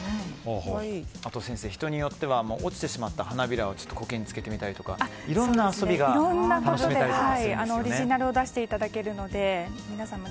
先生、人によっては落ちてしまった花びらをコケにつけてみたりとかいろいろな遊びが楽しめたりするんですよね。